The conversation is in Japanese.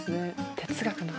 哲学の話。